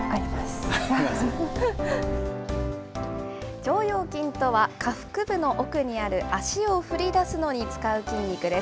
腸腰筋とは、下腹部の奥にある脚を振り出すのに使う筋肉です。